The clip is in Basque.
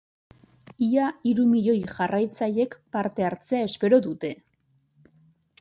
Ia hiru milioi jarraitzailek parte hartzea espero dute.